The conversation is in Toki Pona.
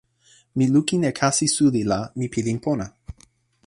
mi lukin e kasi suli la mi pilin pona.